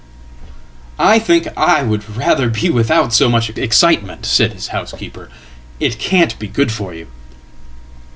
""I think I would rather be without so much excitement," said hishousekeeper. "It can't be good for you.""